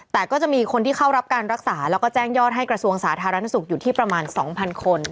แต่ก็จะมีคนที่เข้ารับการรักษาแล้วก็แจ้งยอดให้กระทรวงสาธารณสุขอยู่ที่ประมาณ๒๐๐คน